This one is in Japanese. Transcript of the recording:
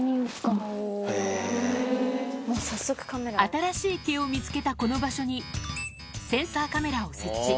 新しい毛を見つけたこの場所に、センサーカメラを設置。